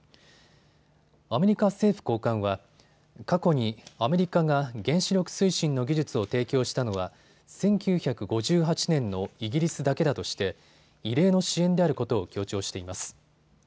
アメリカ政府高官は過去にアメリカが原子力推進の技術を提供したのは１９５８年のイギリスだけだとして異例の支援であることを強調しています。